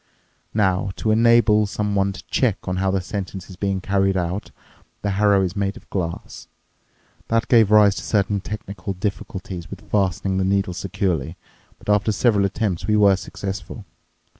Now, to enable someone to check on how the sentence is being carried out, the harrow is made of glass. That gave rise to certain technical difficulties with fastening the needles securely, but after several attempts we were successful.